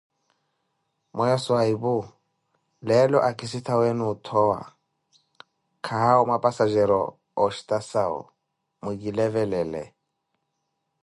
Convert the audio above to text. Mweyo swahipu leelo akisitaweeni othowa, kaawo mapsajero ostasau, mwikilevelele.